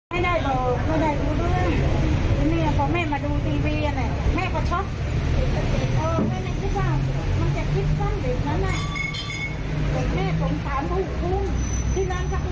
ถ้าข่าวชอบเมื่อโยงแม่สงสารเขาดิ้นแม่สงสารผู้คุม